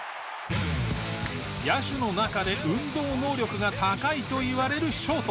野手の中で運動能力が高いといわれるショート。